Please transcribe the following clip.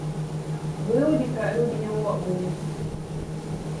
Byudi kai rudiņa uobuli.